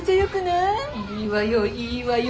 いいわよいいわよ